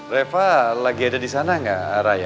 reva lagi ada di sana nggak raya